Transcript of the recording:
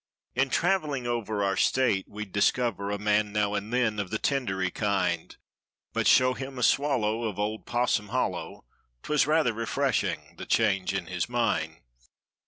In traveling over our State we'd discover A man now and then of the tindery kind; But show him a swallow of "Old Possum Hol¬ low"— 'Twas rather refreshing—the change in his mind.